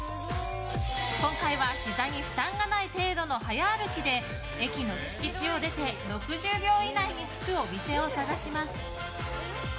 今回は、膝に負担がない程度の早歩きで駅の敷地を出て６０秒以内に着くお店を探します。